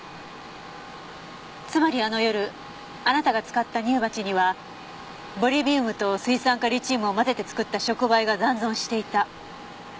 つまりあの夜あなたが使った乳鉢にはボリビウムと水酸化リチウムを混ぜて作った触媒が残存していた。